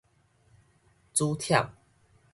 煮忝